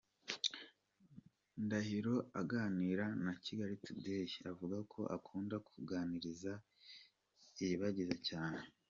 Ndahiro aganira na Kigali Today, avuga ko akunda kuganiriza Ilibagiza cyane.